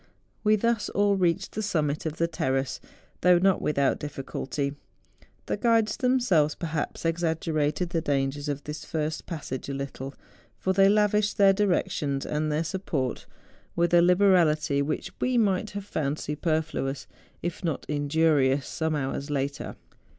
We thus all reached the summit of the terrace, though not without difficulty. The guides themselves, perhaps, exaggerated the dangers of this first passage a little; for they lavished their direc¬ tions and their support with a liberality which we might have found superfluous, if not injurious, some hours later.